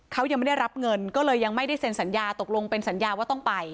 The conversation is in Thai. เขายังไม่ได้รับเงินก็เลยยังไม่ได้เซ็นสัญญาตกลงเป็นสัญญาว่าต้องไป